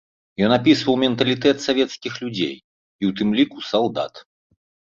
Ён апісваў менталітэт савецкіх людзей, і ў тым ліку салдат.